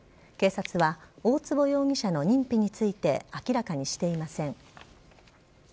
警察は大坪容疑者の認否について明らかにしていません。